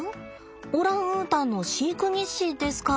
オランウータンの飼育日誌ですか。